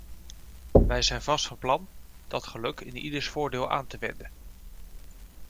Wij zijn vast van plan dat geluk in ieders voordeel aan te wenden.